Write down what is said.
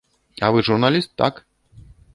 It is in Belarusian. А вы журналіст, так?